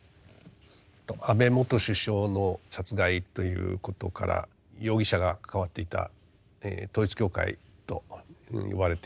安倍元首相の殺害ということから容疑者が関わっていた統一教会と呼ばれている団体の人権侵害がですね